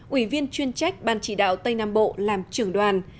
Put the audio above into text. ủy viên chuyên trách ban chỉ đạo tây nam bộ làm trưởng đoàn